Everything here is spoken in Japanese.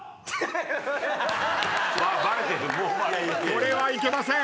これはいけません。